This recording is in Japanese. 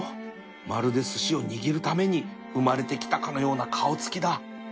まるですしを握るために生まれてきたかのような顔つきだ